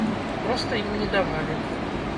Проста ім не давалі.